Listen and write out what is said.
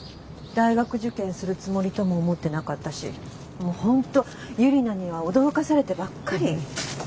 大学受験するつもりとも思ってなかったしもう本当ユリナには驚かされてばっかり。